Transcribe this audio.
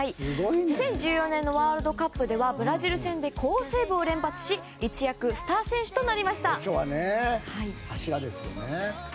２０１４年のワールドカップではブラジル戦で好セーブを連発し一躍スター選手となりました。